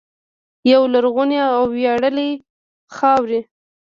یوې لرغونې او ویاړلې خاورې.